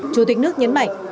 chủ tịch nước nhấn mạnh